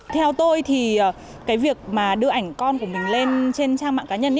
theo tôi thì cái việc mà đưa ảnh con của mình lên trên trang mạng cá nhân